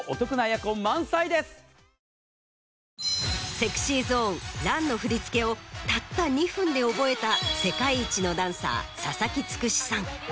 ＳｅｘｙＺｏｎｅ『ＲＵＮ』の振り付けをたった２分で覚えた世界一のダンサー佐々木つくしさん。